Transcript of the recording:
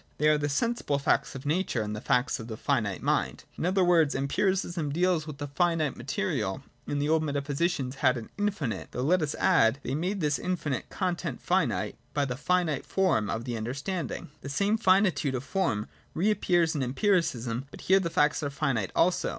They are the sensible facts of nature and the facts of the finite mind. In other words, Empiricism deals with a finite material— and the old metaphysicians had an infinite, — though, let us add, they made this infinite content finite by the finite form of the understanding. The same finitude of form reappears in Empiricism— but here the facts are finite also.